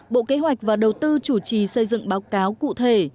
bộ kế hoạch và đầu tư chủ trì xây dựng báo cáo cụ thể